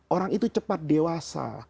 orang itu cepat dewasa